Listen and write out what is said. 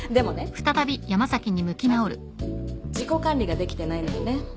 まず自己管理ができてないのよね。